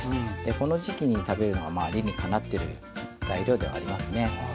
この時期に食べるのは理にかなってる材料ではありますね。